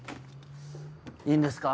いいんですか？